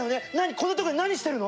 こんなとこで何してるの！？